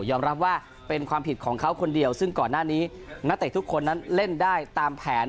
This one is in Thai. รับว่าเป็นความผิดของเขาคนเดียวซึ่งก่อนหน้านี้นักเตะทุกคนนั้นเล่นได้ตามแผน